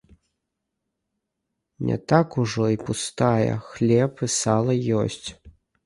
Не так ужо і пустая, хлеб і сала ёсць.